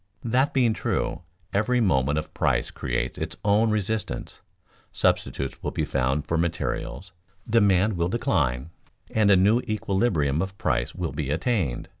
That being true, every movement of price creates its own resistance; substitutes will be found for materials, demand will decline, and a new equilibrium of price will be attained.